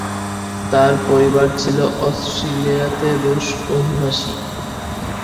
তার পরিবার ছিল অস্ট্রেলিয়াতে রুশ অভিবাসী।